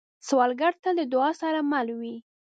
سوالګر تل د دعا سره مل وي